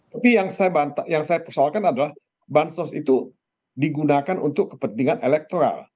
tapi yang saya persoalkan adalah bansos itu digunakan untuk kepentingan elektoral